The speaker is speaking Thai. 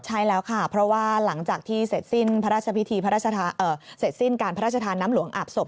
ใช่แล้วค่ะเพราะว่าหลังจากที่เสร็จสิ้นพระราชธาน้ำหลวงอาบศพ